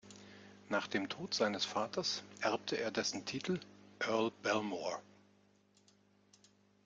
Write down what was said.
Nach dem Tod seines Vaters erbte er dessen Titel "Earl Belmore".